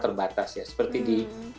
terbatas ya seperti di